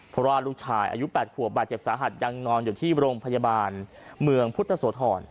เพราะว่าลูกชายอายุ๘ขวบบาดเจ็บสาหัสยังนอนอยู่ที่โรงพยาบาลเมืองพุทธโสธร